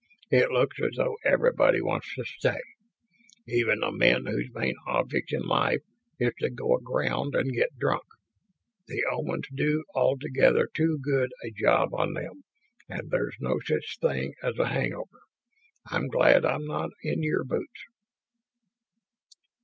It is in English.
It looks as though everybody wants to stay. Even the men whose main object in life is to go aground and get drunk. The Omans do altogether too good a job on them and there's no such thing as a hangover. I'm glad I'm not in your boots."